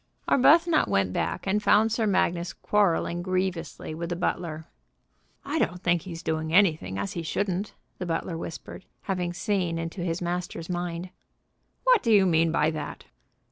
Arbuthnot went back, and found Sir Magnus quarrelling grievously with the butler. "I don't think he's doing anything as he shouldn't," the butler whispered, having seen into his master's mind. "What do you mean by that?"